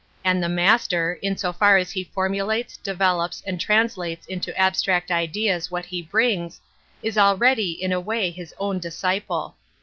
And the master, in so far as he formu lates, develops, and translates into abstract ideas what he brings, is already in a way his own disciple.